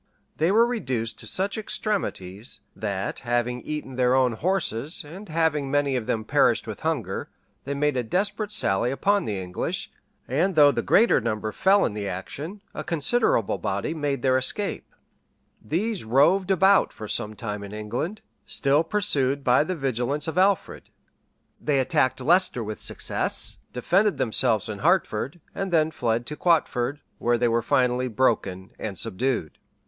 They were reduced to such extremities, that having eaten their own horses, and having many of them perished with hunger,[] they made a desperate sally upon the English; and though the greater number fell in the action, a considerable body made their escape.[] [* Chron. Sax. p. 94.] [ Chron. Sax. p. 94. M. West. p. 179. Flor. Wigorn. p. 596.] [ Chron. Sax p. 96.] These roved about for some time in England, still pursued by the vigilance of Alfred; they attacked Leicester with success, defended themselves in Hartford, and then fled to Quatford, where they were finally broken and subdued.